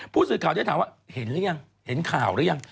ผู้สื่อข่าวได้ถามว่าเห็นหรือยังเห็นข่าวหรือยัง